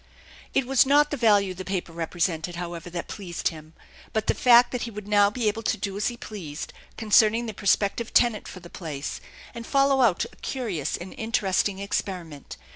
It was not the value the paper repre sented, however, that pleased him, but the fact that he would now be able to do as he pleased concerning the prospective tenant for the place, and follow out a curious and interesting experiment.